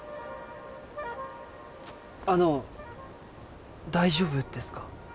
あの大丈夫ですか？